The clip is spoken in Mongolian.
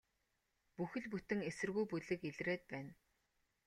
Бүхэл бүтэн эсэргүү бүлэг илрээд байна.